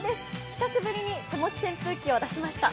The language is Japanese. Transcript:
久しぶりに手持ち扇風機を出しました。